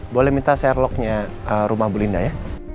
boleh minta share locknya rumah bu linda ya